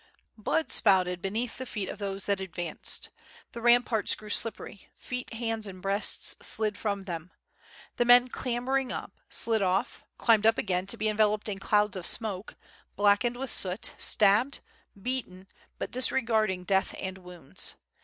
Blood spouted beneath the feet of those that advanced. The ram parts grew slippery; feet, hands, and breasts slid from them. The men clambering up, slid off, climbed up again to be enveloped in clouds of smoke, blackened with soot, stabbed, beaten, but disregarding death and wounds.